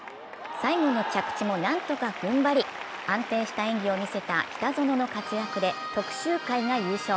最後の着地も何とか踏ん張り、安定した演技を見せた北園の活躍で徳洲会が優勝。